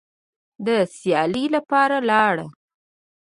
د سیالۍ لپاره لاړه